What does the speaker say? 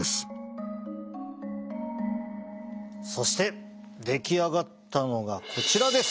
そして出来上がったのがこちらです！